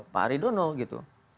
pak aridono gitu